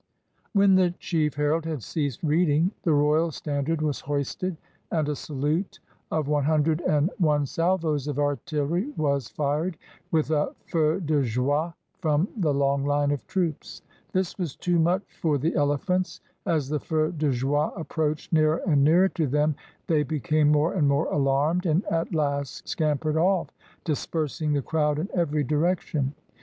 When the chief herald had ceased reading, the royal standard was hoisted, and a salute of one hundred and one salvos of artillery was fired, with a feu de joie from the long hne of troops. This was too much for the ele phants. As the feu de joie approached nearer and nearer to them, they became more and more alarmed, and at last scampered off, dispersing the crowd in every direc tion.